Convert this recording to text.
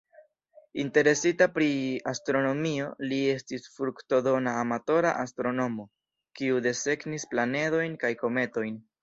Interesita pri astronomio, li estis fruktodona amatora astronomo, kiu desegnis planedojn kaj kometojn.